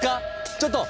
ちょっと！